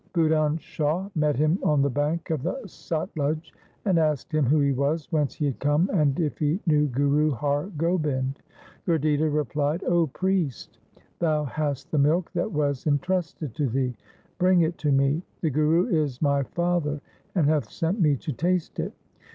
Budhan Shah met him on the bank of the Satluj, and asked him who he was, whence he had come, and if he knew Guru Har Gobind. Gurditta replied, ' O priest, thou hast the milk that was entrusted to thee. Bring it to me. The Guru is my father, and hath sent me to taste it.'